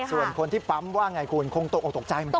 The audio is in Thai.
ส่วนคนที่ปั๊มว่าอย่างไรคุณคงตกใจมันนะ